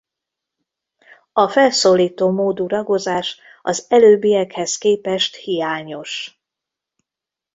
A felszólító módú ragozás az előbbiekhez képest hiányos.